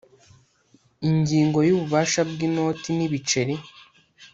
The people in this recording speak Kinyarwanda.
Ingingo ya Ububasha bw inoti n ibiceri